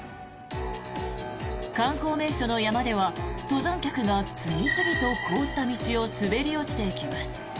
観光名所の山では登山客が次々と凍った道を滑り落ちていきます。